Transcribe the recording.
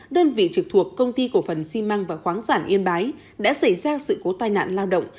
đơn vị trực thuộc công ty cổ phần xi măng và khoáng sản yên bái đã xảy ra sự cố tai nạn lao động